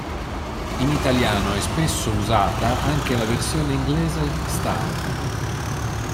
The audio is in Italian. In italiano è spesso usata anche la versione inglese star.